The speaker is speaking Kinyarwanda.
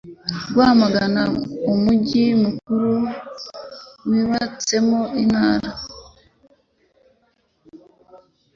Rwamagana umujyi mukuru wubatsemo Intara